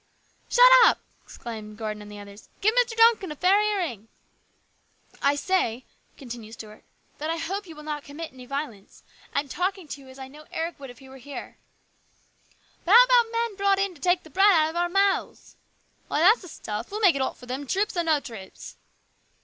" Shut up !" exclaimed Gordon and others. " Give Mr. Duncan fair hearing." " I say," continued Stuart, " that I hope you will not commit any violence. I am talking to you as I know Eric would if he were here." THE RESCUE. 88 " But how about men brought in to take the bread out of our mouths ?" "Ay, that's the stuff! We'll make it hot for them, troops or no troops."